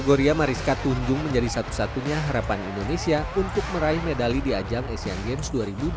gloria mariska tunjung menjadi satu satunya harapan indonesia untuk meraih medali di ajang asian games dua ribu delapan belas